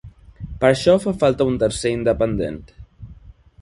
Per això fa falta un tercer independent.